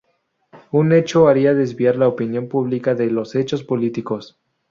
Un hecho haría desviar la opinión pública de los hechos políticos.